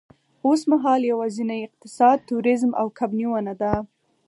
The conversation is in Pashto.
اوسمهال یوازېنی اقتصاد تورېزم او کب نیونه ده.